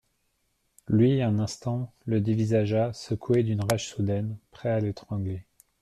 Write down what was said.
Lui, un instant, le dévisagea, secoué d'une rage soudaine, prêt à l'étrangler.